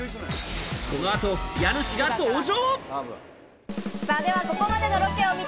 この後、家主が登場。